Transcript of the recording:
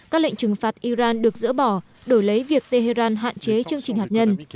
các lệnh trừng phạt iran được dỡ bỏ đổi lấy việc tehran hạn chế chương trình hạt nhân